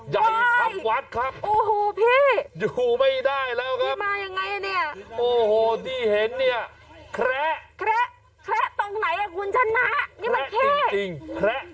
ยัยครับวัดครับอยู่ไม่ได้แล้วครับโอ้โหที่เห็นเนี่ยแคระแคระตรงไหนคุณชนะแคระจริงแคระ